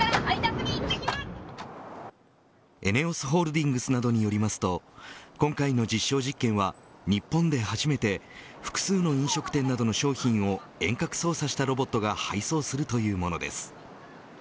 ＥＮＥＯＳホールディングスなどによりますと今回の実証実験は日本で初めて複数の飲食店などの商品を遠隔操作したロボットが配送するというものです。